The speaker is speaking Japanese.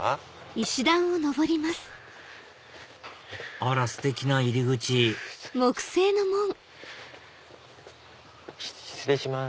あらステキな入り口失礼します。